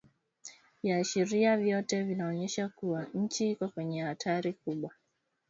Viashiria vyote vinaonyesha kuwa nchi iko kwenye hatari kubwa